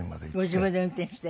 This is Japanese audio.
ご自分で運転して？